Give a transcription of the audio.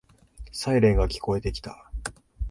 サイレンが聞こえてきた。